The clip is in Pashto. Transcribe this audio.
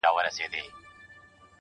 ناځوانه ښه ښېرا قلندري کړې ده